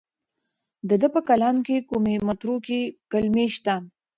د ده په کلام کې کومې متروکې کلمې شته؟